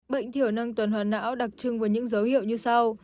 bệnh thiểu năng tuần hoàn não đặc trưng với những dấu hiệu như sau